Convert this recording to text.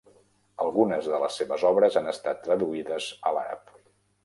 Algunes de les seves obres han estat traduïdes a l'àrab.